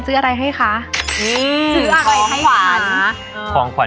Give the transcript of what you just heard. พี่อายกับพี่อ๋อมไม่ได้ครับ